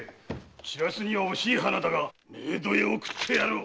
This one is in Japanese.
散らすには惜しい花だが冥土へ送ってやろう。